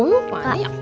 mana yang ada